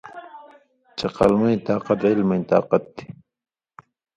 چے قلمَیں طاقت علمَیں طاقت تھی